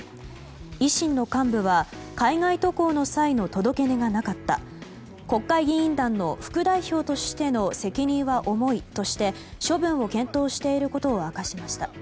維新の幹部は海外渡航の際の届け出がなかった国会議員団の副代表としての責任は重いとして処分を検討していることを明かしました。